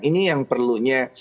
ini yang perlunya